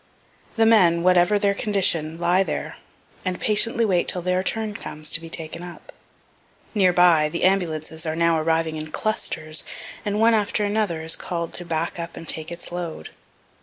The men, whatever their condition, lie there, and patiently wait till their turn comes to be taken up. Near by, the ambulances are now arriving in clusters, and one after another is call'd to back up and take its load.